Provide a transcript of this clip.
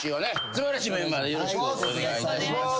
素晴らしいメンバーでよろしくお願いいたします。